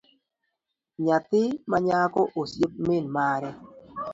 Nyathi manyako osiep min mare